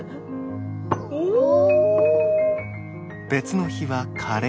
おお！